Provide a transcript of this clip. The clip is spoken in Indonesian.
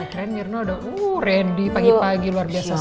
akhirnya mirna udah ready pagi pagi luar biasa sekali